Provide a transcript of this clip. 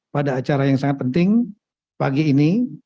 pada acara yang sangat penting pagi ini